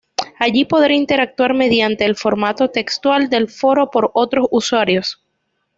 Allí podrá interactuar mediante el formato textual del foro con otros usuarios.